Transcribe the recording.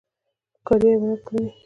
ښکاري حیوانات کوم دي؟